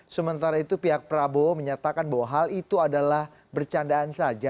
sementara itu pihak prabowo menyatakan bahwa hal itu adalah bercandaan saja